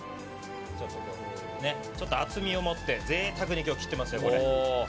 ちょっと厚みを持って贅沢に切ってますよ。